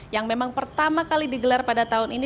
yang memang pertama kali digelar pada tahun ini